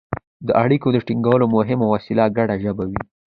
د اړیکو ټینګولو مهمه وسیله ګډه ژبه وه